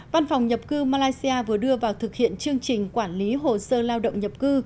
văn phòng nhập cư malaysia vừa đưa vào thực hiện chương trình quản lý hồ sơ lao động nhập cư